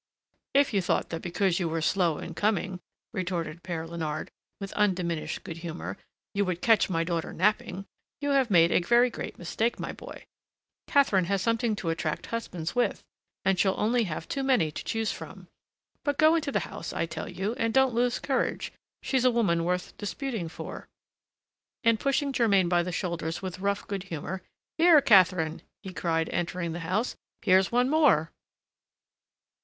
"If you thought that because you were slow in coming," retorted Père Léonard, with undiminished good humor, "you would catch my daughter napping, you made a very great mistake, my boy. Catherine has something to attract husbands with, and she'll have only too many to choose from. But go into the house, I tell you, and don't lose courage. She's a woman worth disputing for." And, pushing Germain by the shoulders with rough good humor, "Here, Catherine," he cried, entering the house, "here's one more!"